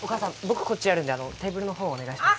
僕こっちやるんでテーブルの方をお願いします。